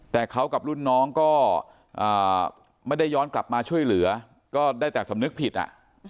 แต่เขากับรุ่นน้องก็ไม่ได้ย้อนกลับมาช่วยเหลือก็ได้แต่สำนึกผิดอ่ะ